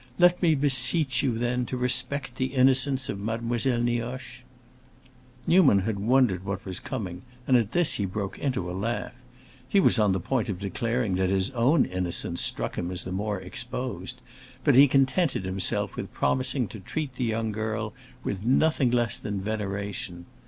Let me beseech you, then, to respect the innocence of Mademoiselle Nioche!" Newman had wondered what was coming, and at this he broke into a laugh. He was on the point of declaring that his own innocence struck him as the more exposed, but he contented himself with promising to treat the young girl with nothing less than veneration.